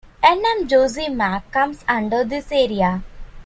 N. M. Joshi Marg comes under this area.